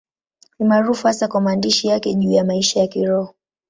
Ni maarufu hasa kwa maandishi yake juu ya maisha ya Kiroho.